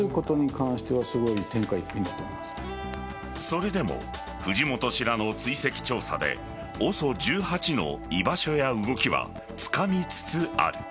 それでも藤本氏らの追跡調査でＯＳＯ１８の居場所や動きはつかみつつある。